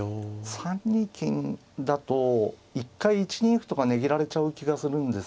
３二金だと一回１二歩とか入れられちゃう気がするんですよね。